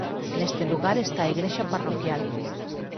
Neste lugar está a Igrexa parroquial.